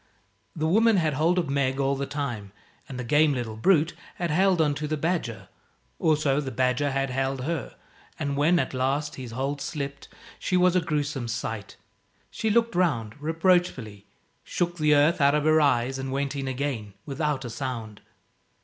The woman had hold of Meg all the time, and the game little brute had held on to the badger. Also the badger had held her, and when at last his hold slipped, she was a gruesome sight. She looked round, reproachfully, shook the earth out of her eyes and went in again without a sound.